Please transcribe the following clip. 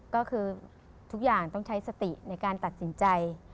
ก็คือทุกอย่างต้องใช้สติในการตัดสินใจ